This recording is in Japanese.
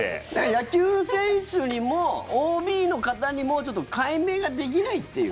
野球選手にもＯＢの方にもちょっと解明ができないっていう。